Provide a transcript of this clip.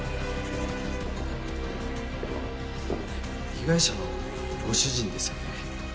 被害者のご主人ですよね？